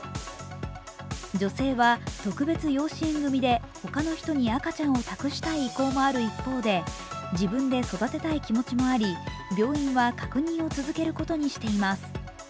女性は特別養子縁組で他の人に赤ちゃんを託したい意向もある一方で自分で育てたい気持ちもあり、病院は確認を続けることにしています。